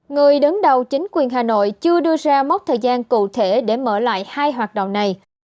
người đứng đầu chính quyền hà nội chưa đưa ra mốc thời gian cụ thể để mở lại hai hoạt động này